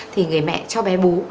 thì người mẹ cho bé bú